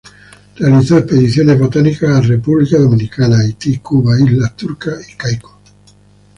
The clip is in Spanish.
Realizó expediciones botánicas a República Dominicana, Haití, Cuba, Islas Turcas y Caicos.